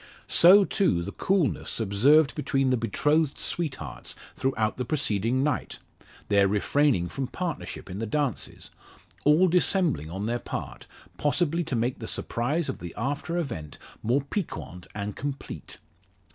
So, too, the coolness observed between the betrothed sweethearts throughout the preceding night their refraining from partnership in the dances all dissembling on their part, possibly to make the surprise of the after event more piquant and complete.